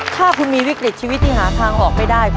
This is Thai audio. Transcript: ถ้าคุณมีวิกฤตชีวิตที่หาทางออกไม่ได้